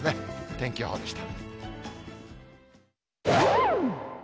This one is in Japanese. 天気予報でした。